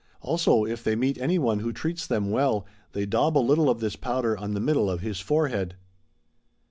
[Also if they meet any one who treats them well, they daub a little of this powder on the middle of his forehead.